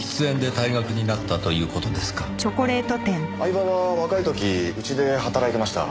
饗庭は若い時うちで働いてました。